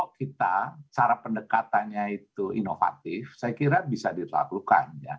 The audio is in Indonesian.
kalau kita cara pendekatannya itu inovatif saya kira bisa dilakukan